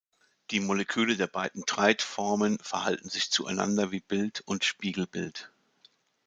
Die Moleküle der beiden Threit-Formen verhalten sich zueinander wie Bild und Spiegelbild.